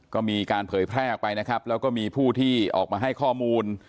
ก็มีการเผยแพร่ออกไปนะครับแล้วก็มีผู้ที่ออกมาให้ข้อมูล